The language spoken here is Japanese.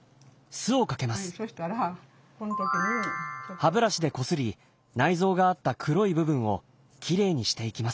歯ブラシでこすり内臓があった黒い部分をキレイにしていきます。